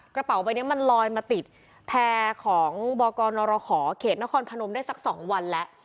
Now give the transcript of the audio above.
กระเป๋าใบนี้มันลอยมาติดแพร่ของบกนรหเขตนครพนมได้สัก๒วันแล้ว